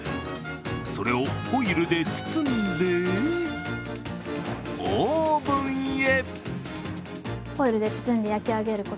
それをホイルで包んでオーブンへ。